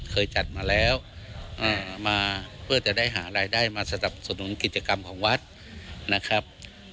เคยจัดมาแล้วมาเพื่อจะได้หารายได้มาสนับสนุนกิจกรรมของวัดนะครับ